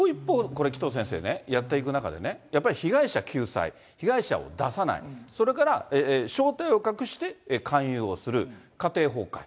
これ、紀藤先生ね、やっていく中で、やっぱり被害者救済、被害者を出さない、それから正体を隠して勧誘をする、家庭崩壊。